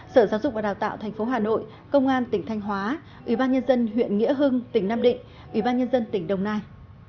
sở giáo dục và đào tạo tp hà nội công an tỉnh thanh hóa ủy ban nhân dân huyện nghĩa hưng tỉnh nam định ủy ban nhân dân tỉnh đồng nai